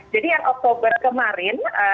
jadi yang oktober kemarin